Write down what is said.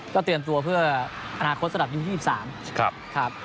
เตรียมตัวเพื่ออนาคตสำหรับยุค๒๓ครับ